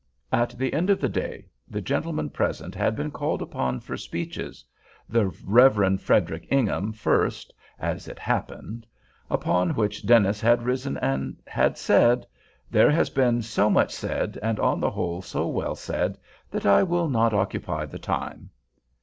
At the end of the day, the gentlemen present had been called upon for speeches—the Rev. Frederic Ingham first, as it happened; upon which Dennis had risen, and had said, "There has been so much said, and, on the whole, so well said, that I will not occupy the time."